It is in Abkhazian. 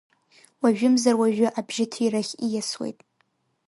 Уажәымзар уажәы абжьыҭирахь ииасуеит.